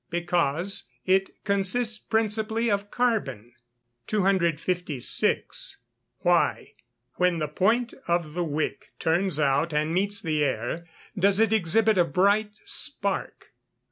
_ Because it consists principally of carbon. 256. _Why, when the point of the wick turns out and meets the air, does it exhibit a bright spark?